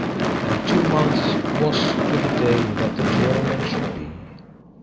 And two months was to the day that the tournament should be.